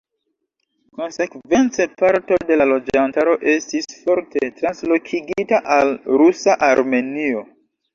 Konsekvence parto de la loĝantaro estis forte translokigita al rusa Armenio.